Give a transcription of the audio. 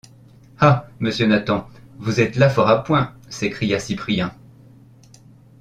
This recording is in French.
Ah! monsieur Nathan, vous êtes là fort à point ! s’écria Cyprien.